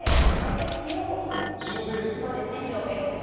塩ベースの。